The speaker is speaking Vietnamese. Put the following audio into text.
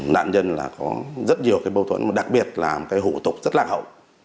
nạn nhân có rất nhiều bâu thuẫn đặc biệt là hữu tục rất lạc hậu